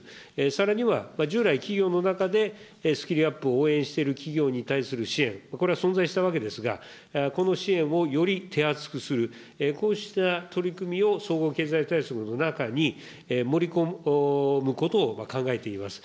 さらには、従来、企業の中でスキルアップを応援している企業に対する支援、これは存在したわけですが、この支援をより手厚くする、こうした取り組みを総合経済対策の中に盛り込むことを考えています。